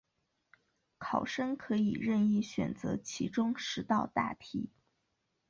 考生可以任意选择其中十道大题